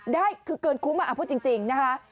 ได้คือเกินคุ้มพูดจริงนะคะ